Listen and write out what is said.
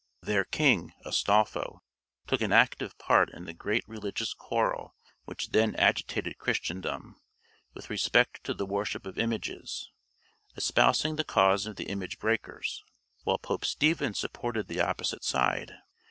Their king, Astolpho, took an active part in the great religious quarrel which then agitated Christendom, with respect to the worship of images, espousing the cause of the image breakers, while Pope Stephen supported the opposite side.